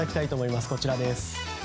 こちらです。